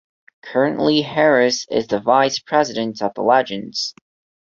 Currently Harris is the Vice President of the Legends.